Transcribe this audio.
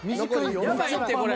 やばいってこれ。